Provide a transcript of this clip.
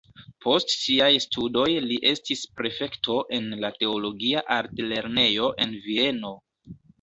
Post siaj studoj li estis prefekto en la teologia altlernejo en Vieno.